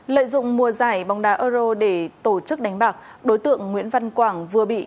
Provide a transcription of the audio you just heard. lợi dụng mùa giải bóng đá euro để tổ chức đánh bạc đối tượng nguyễn văn quảng vừa bị